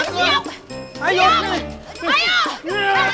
sio gak takut